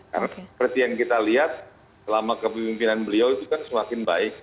karena seperti yang kita lihat selama kepemimpinan beliau itu kan semakin baik